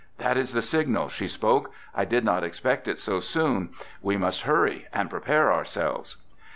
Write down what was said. "That is the signal," she spoke. "I did not expect it so soon. We must hurry and prepare ourselves!"